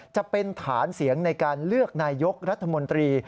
จะเป็นฐานเสียงในการเลือกนายกรัฐมนตรี